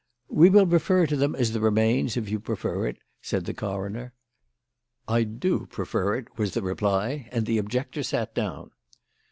"We will refer to them as the remains, if you prefer it," said the coroner. "I do prefer it," was the reply, and the objector sat down.